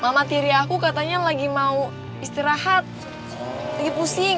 mama tiri aku katanya lagi mau istirahat lagi pusing